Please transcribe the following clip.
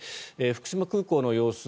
福島空港の様子